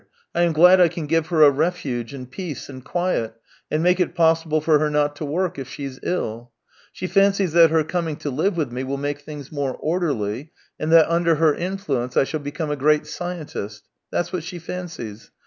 I am glad I can give her a refuge and peace and quiet, and make it possible for her not to work if she's ill. She fancies that her coming to live with me will make things more orderly, and that under her influence I shall become a great scientist. That's what she fancies.